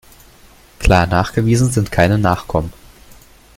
Klar nachgewiesen sind keine Nachkommen.